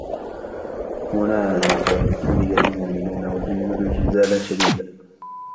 هُنَالِكَ ابْتُلِيَ الْمُؤْمِنُونَ وَزُلْزِلُوا زِلْزَالًا شَدِيدًا